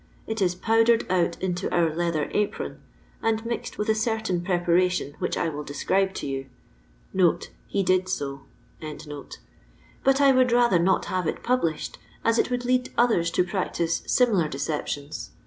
It is powdered out into our leather apron, and mixed with a certain preparation which I will describe to you (he did so), but I would rather not have it published, as it would lead others to practiae simikr deceptions.